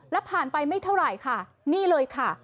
แล้วผ่านไปไม่เท่าไหร่ค่ะนี่เลยค่ะ